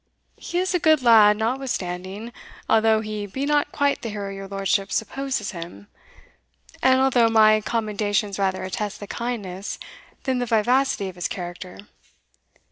He is a good lad notwithstanding, although he be not quite the hero your lordship supposes him, and although my commendations rather attest the kindness than the vivacity of his character.